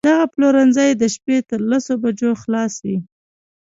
دغه پلورنځی د شپې تر لسو بجو خلاص وي